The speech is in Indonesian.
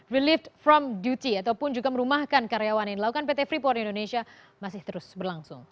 relief from beauty ataupun juga merumahkan karyawan yang dilakukan pt freeport indonesia masih terus berlangsung